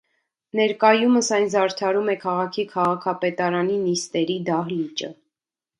Ներկայումս այն զարդարում է քաղաքի քաղաքապետարանի նիստերի դահլիճը։